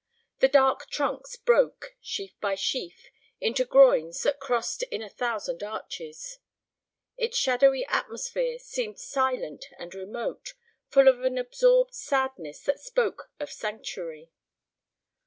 The dark trunks broke, sheaf by sheaf, into groins that crossed in a thousand arches. Its shadowy atmosphere seemed silent and remote, full of an absorbed sadness that spoke of sanctuary.